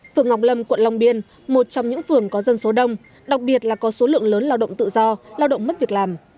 phường ngọc lâm quận long biên một trong những phường có dân số đông đặc biệt là có số lượng lớn lao động tự do lao động mất việc làm